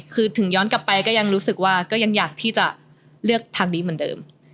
คือถึงย้อนกลับไปก็ยังรู้สึกว่าก็ยังอยากที่จะเลือกทางนี้เหมือนเดิม